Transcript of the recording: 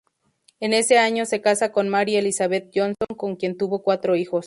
En ese año se casa con Mary Elizabeth Johnson, con quien tuvo cuatro hijos.